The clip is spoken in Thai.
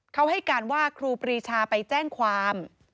เขาให้การว่าครูปรีชาไปแจ้งความ